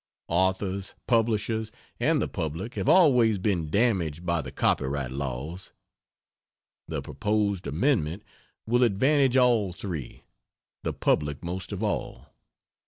Authors, publishers and the public have always been damaged by the copyright laws. The proposed amendment will advantage all three the public most of all.